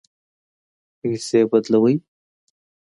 پیسې بدلوئ؟